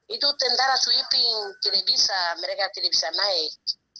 itu tentara sweeping tidak bisa mereka tidak bisa naik